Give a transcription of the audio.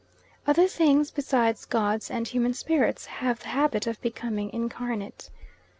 Other things beside gods and human spirits have the habit of becoming incarnate.